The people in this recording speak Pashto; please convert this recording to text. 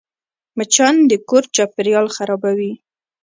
مچان د کور چاپېریال خرابوي